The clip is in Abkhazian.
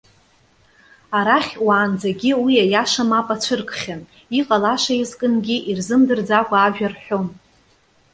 Арахь, уаанӡагьы уи аиаша мап ацәыркхьан. Иҟалаша иазкынгьы ирзымдырӡакәа ажәа рҳәон.